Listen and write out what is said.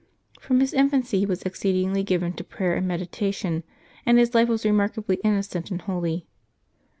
From his infancy he was exceedingly given to prayer and meditation, and his life was remarkably innocent and holy.